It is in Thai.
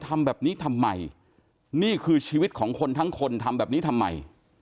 ทำแบบนี้ทำไมนี่คือชีวิตของคนทั้งคนทำแบบนี้ทำไม